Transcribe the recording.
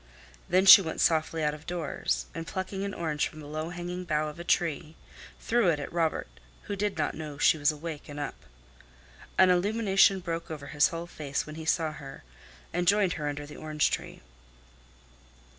Then she went softly out of doors, and plucking an orange from the low hanging bough of a tree, threw it at Robert, who did not know she was awake and up. An illumination broke over his whole face when he saw her and joined her under the orange tree.